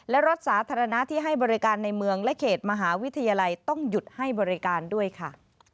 และรถสาธารณะที่ให้บริการในเมืองและเขตมหาวิทยาลัยต้องหยุดให้บริการด้วยค่ะ